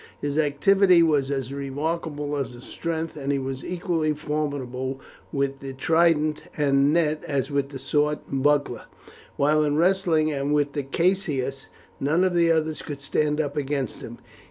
His activity was as remarkable as his strength, and he was equally formidable with the trident and net as with sword and buckler; while in wrestling and with the caestus none of the others could stand up against him.